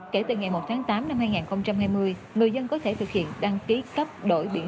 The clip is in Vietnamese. kể từ ngày một tháng tám năm hai nghìn hai mươi người dân có thể thực hiện đăng ký cấp đổi biển